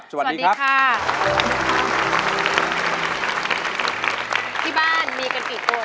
สวัสดีค่ะ